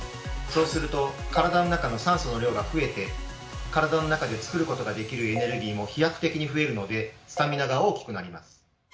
そうすると体の中の酸素の量が増えて体の中で作ることができるエネルギーも飛躍的に増えるのでスタミナが大きくなります。